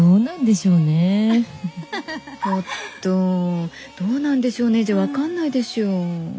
ちょっとどうなんでしょうねじゃ分かんないでしょ。